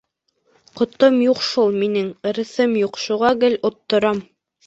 Ҡотом юҡ шул минең, ырыҫым юҡ, шуға гел отторам.